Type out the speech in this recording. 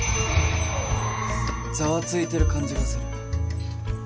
ざわついてる感じがする。